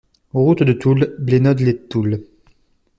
Route de Toul, Blénod-lès-Toul